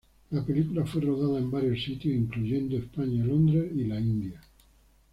La película fue rodada en varios sitios incluyendo España, Londres y la India.